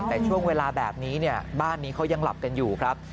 แต่ช่วงเวลาแบบนี้เนี่ยบ้านนี้เขายังหลับกันอยู่ครับ